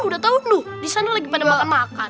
udah tau tuh disana lagi pada makan makan